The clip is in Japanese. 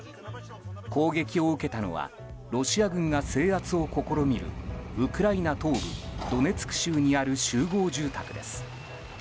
攻撃を受けたのはロシア軍が制圧を試みるウクライナ東部ドネツク州にある集合住宅です。